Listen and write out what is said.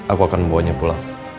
aku akan membawanya pulang